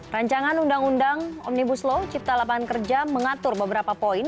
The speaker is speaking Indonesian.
rancangan undang undang omnibus law cipta lapangan kerja mengatur beberapa poin